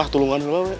ah tolong anggil dulu ya